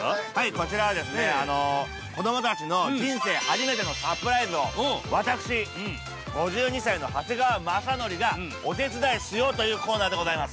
こちらはですね、あのー、子供たちの人生初めてのサプライズを、私５２歳の長谷川雅紀がお手伝いしようというコーナーでございます。